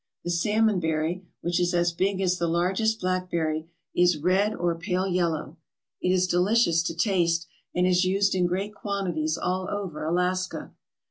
The salmonberry, which is as big as the largest blackberry, is red or pale yellow. It is delicious to taste, and is used 63 ALASKA OUR NORTHERN WONDERLAND in great quantities all over Alaska.